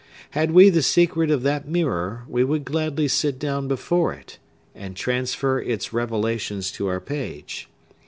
Had we the secret of that mirror, we would gladly sit down before it, and transfer its revelations to our page.